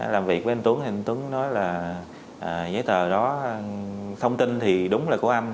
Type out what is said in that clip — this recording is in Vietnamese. làm việc với anh tuấn thì anh tuấn nói là giấy tờ đó thông tin thì đúng là của anh